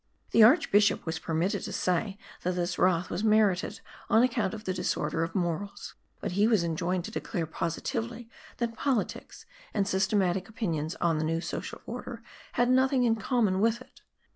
The Archbishop was permitted to say that this wrath was merited on account of the disorder of morals; but he was enjoined to declare positively that politics and systematic opinions on the new social order had nothing in common with it.